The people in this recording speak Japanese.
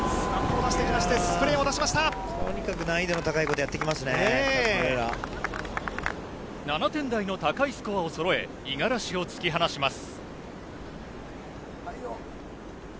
とにかく難易度の高いことを７点台の高いスコアをそろえ、五十嵐を突き放します。